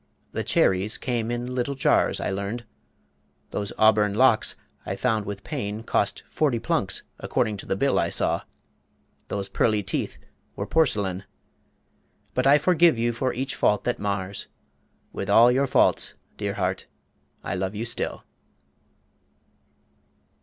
The cherries came in little jars, I learned. Those auburn locks, I found with pain, Cost forty plunks, according to the bill I saw. Those pearly teeth were porcelain. But I forgive you for each fault that mars. With all your faults, dear heart, I love you still.